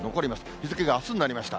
日付があすになりました。